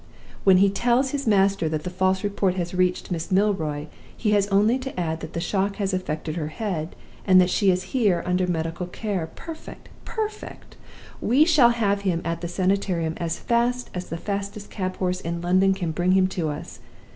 When he tells his master that the false report has reached Miss Milroy, he has only to add that the shock has affected her head, and that she is here under medical care. Perfect! perfect! We shall have him at the Sanitarium as fast as the fastest cab horse in London can bring him to us.